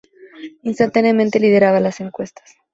Instantáneamente lideraba las encuestas.